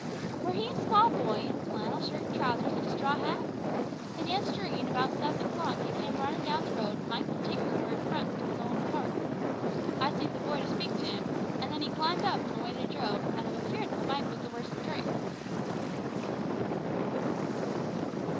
"Were he a small boy with flannel shirt and trousers, and a straw hat? Then yestere'en 'bout seven o'clock, he came runnin' down the road an' Mike the tinker were in front with his old cart. I seed the boy speak to 'im, and then up he climbed, and away they drove, and I'm afeered that Mike was the worse for drink."